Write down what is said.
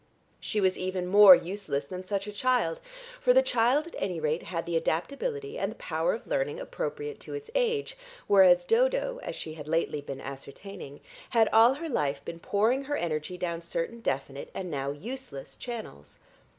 She was even more useless than such a child, for the child at any rate had the adaptability and the power of learning appropriate to its age, whereas Dodo, as she had lately been ascertaining, had all her life been pouring her energy down certain definite and now useless channels.